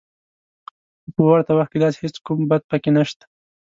خو په ورته وخت کې داسې هېڅ کوم بد پکې نشته